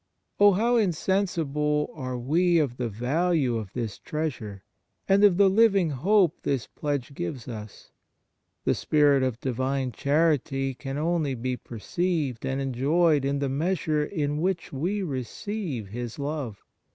Oh, how insensible are we of the value of this treasure, and of the living hope this pledge gives us ! The Spirit of Divine charity can only be perceived and enjoyed in the measure in which we receive His love.